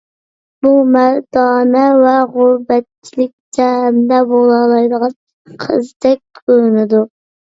بۇ مەردانە ۋە غۇربەتچىلىكتە ھەمدەم بولالايدىغان قىزدەك كۆرۈنىدۇ.